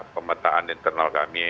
pemetaan internal kami